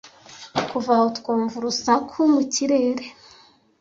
kuva aho twumva urusaku mu kirere